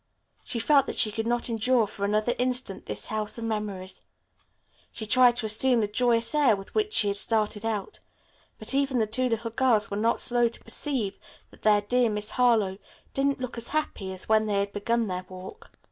She felt that she could not endure for another instant this house of memories. She tried to assume the joyous air with which she had started out, but even the two little girls were not slow to perceive that their dear Miss Harlowe didn't look as happy as when they had begun their walk.